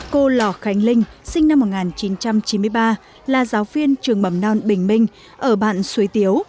cô lò khánh linh sinh năm một nghìn chín trăm chín mươi ba là giáo viên trường bầm non bình minh ở bạn xuế tiếu